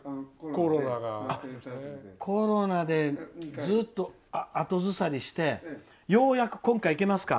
コロナでずっと後ずさりしてようやく今回行けますか。